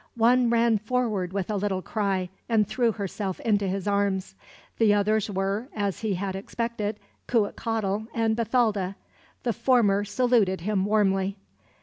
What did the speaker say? One ran forward with a little cry, and threw herself into his arms. The others were, as he had expected, Cuitcatl and Bathalda. The former saluted him warmly.